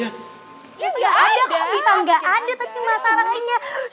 bisa enggak ada kok bisa enggak ada tapi masalahnya